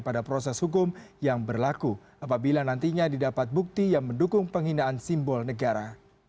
pada proses hukum yang berlaku apabila nantinya didapat bukti yang mendukung penghinaan simbol negara